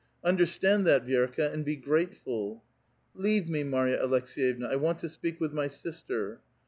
Understand that, Vi^rka, and be grateful." " Leave me, Marya Aleks^yevna ; I want to speak with my sister."